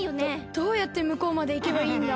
どうやってむこうまでいけばいいんだ？